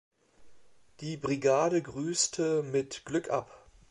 Die Brigade grüßte mit „Glück ab“.